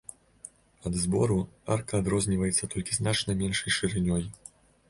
Ад збору арка адрозніваецца толькі значна меншай шырынёй.